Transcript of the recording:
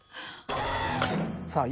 さあ